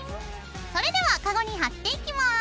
それではカゴに貼っていきます。